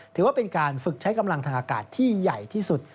ถือว่าเป็นการฝึกใช้กำลังทางอากาศที่ใหญ่ที่สุด